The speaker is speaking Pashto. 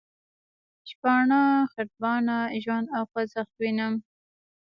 شپانه، خټبانه، ژوند او خوځښت وینم.